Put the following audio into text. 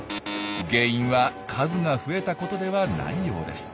原因は数が増えたことではないようです。